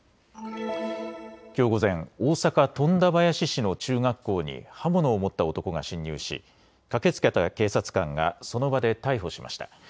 きょう午前、大阪富田林市の中学校に刃物を持った男が侵入し駆けつけた警察官がその場で逮捕しました。